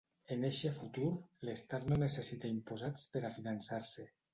En eixe futur, l'Estat no necessita imposats per a finançar-se.